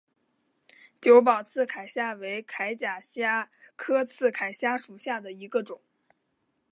久保刺铠虾为铠甲虾科刺铠虾属下的一个种。